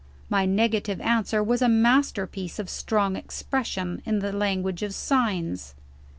My negative answer was a masterpiece of strong expression, in the language of signs.